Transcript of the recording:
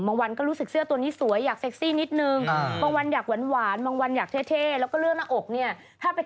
หลังก็เลยแอบแต่งตัวเซ็กซี่ขึ้น